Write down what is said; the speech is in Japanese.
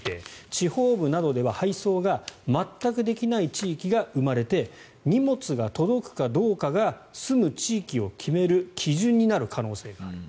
地方部などでは配送が全くできない地域が生まれて荷物が届くかどうかが住む地域を決める基準になる可能性がある。